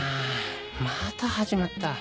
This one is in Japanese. また始まった